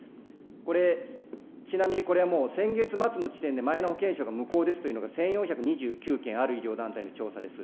これ、ちなみにこれはもう、先月末の時点で、マイナ保険証が無効ですというのが１４２９件、ある医療団体の調査です。